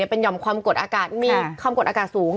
เป็นห่อมความกดอากาศมีความกดอากาศสูง